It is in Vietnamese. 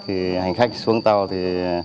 thì hành khách xuống tàu thì